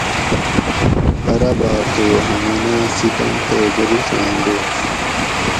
براباۤر تھو ہمناۤں سیکۤنڈ تے بریڛاۤں دوس